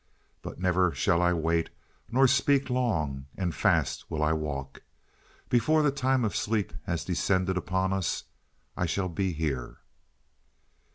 But never shall I wait, nor speak long, and fast will I walk.... Before the time of sleep has descended upon us, I shall be here."